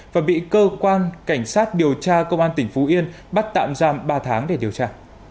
và bị cơ quan cảnh sát điều tra công an tỉnh phú yên bắt tạm giam ba tháng để điều tra